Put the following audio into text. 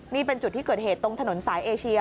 นี่เป็นจุดที่เกิดเหตุตรงถนนสายเอเชีย